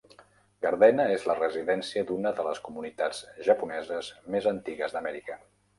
Gardena és la residència d'una de les comunitats japoneses més antigues d'Amèrica.